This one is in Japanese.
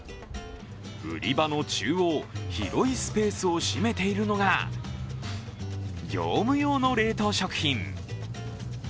売り場の中央、広いスペースを占めているのが業務用の冷凍食品。